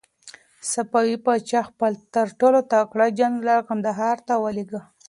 صفوي پاچا خپل تر ټولو تکړه جنرال کندهار ته ولېږه.